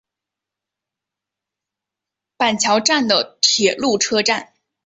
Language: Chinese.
板桥站的铁路车站。